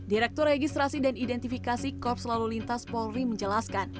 direktur registrasi dan identifikasi korps lalu lintas polri menjelaskan